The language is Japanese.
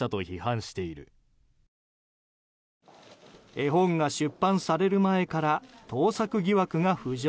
絵本が出版される前から盗作疑惑が浮上。